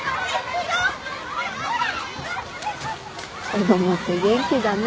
子供って元気だね。